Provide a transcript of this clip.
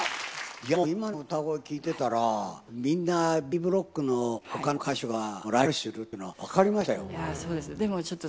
いやもう今の歌声聞いてたらみんなＢブロックの他の歌手がライバル視するっていうのがわかりましたよ。